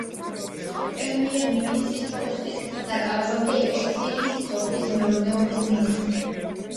პრემიერ-მინისტრის პოსტის დაკავებამდე იყო სირიის სოფლის მეურნეობის მინისტრი.